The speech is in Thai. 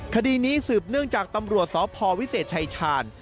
คดีนี้สืบเนื่องจากตำรวจสพวิเศษชายชาญ